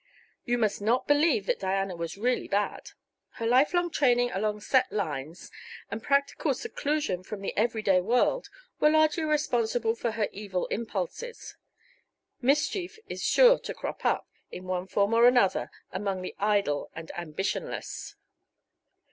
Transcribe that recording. You must not believe that Diana was really bad; her lifelong training along set lines and practical seclusion from the everyday world were largely responsible for her evil impulses. Mischief is sure to crop up, in one form or another, among the idle and ambitionless.